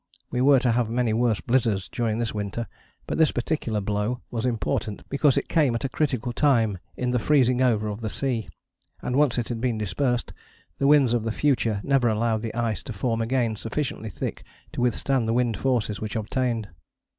We were to have many worse blizzards during this winter, but this particular blow was important because it came at a critical time in the freezing over of the sea, and, once it had been dispersed, the winds of the future never allowed the ice to form again sufficiently thick to withstand the wind forces which obtained.